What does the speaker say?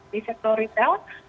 di sektor retail